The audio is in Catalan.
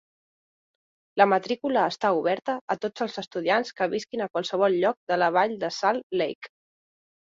La matrícula està oberta a tots els estudiants que visquin a qualsevol lloc de la vall de Salt Lake.